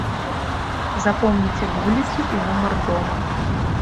Запомніце вуліцу і нумар дома.